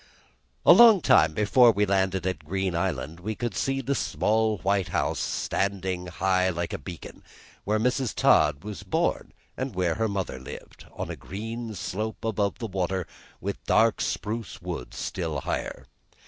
A long time before we landed at Green Island we could see the small white house, standing high like a beacon, where Mrs. Todd was born and where her mother lived, on a green slope above the water, with dark spruce woods still higher.